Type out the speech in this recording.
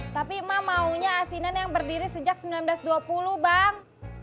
tapi ma maunya asinan yang berdiri sejak seribu sembilan ratus dua puluh bang